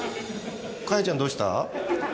果耶ちゃん、どうした？